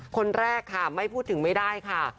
คนแรกค่ะไม่พูดถึงไม่ได้ค่ะ